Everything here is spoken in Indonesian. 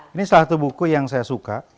ini salah satu buku yang saya suka